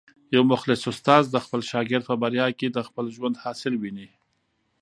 یو مخلص استاد د خپل شاګرد په بریا کي د خپل ژوند حاصل ویني.